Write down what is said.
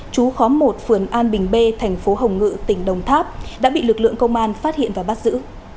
trú khóm một phường an bình bê tp hồng ngự tỉnh đồng tháp đã bị lực lượng công an phát hiện và bắt giữ